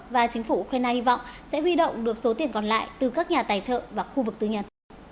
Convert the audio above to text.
và chính phủ ukraine hy vọng sẽ huy động được số tiền còn lại từ các nhà tài trợ và khu vực tư nhân